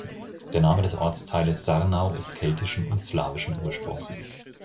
Der Name des Ortsteiles Sarnau ist keltischen und slawischen Ursprungs.